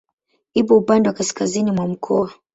Ipo upande wa kaskazini mwa mkoa.